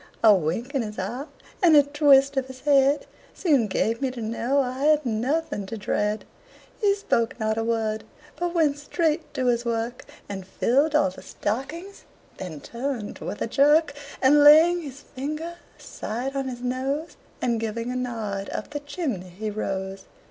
A wink of his eye and a twist of his head Soon gave me to know I had nothing to dread. He spoke not a word, but went straight to his work, And filled all the stockings; then turned with a jerk, And laying his finger aside of his nose, And giving a nod, up the chimney he rose.